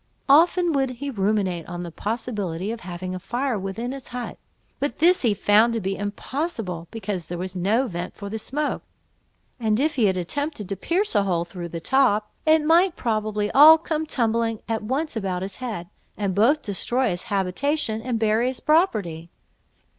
Often would he ruminate on the possibility of having a fire within his hut, but this he found to be impossible, because there was no vent for the smoke; and if he had attempted to pierce a hole through the top, it might probably all come tumbling at once about his head, and both destroy his habitation and bury his property.